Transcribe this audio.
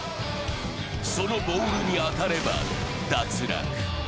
そのボールに当たれば脱落。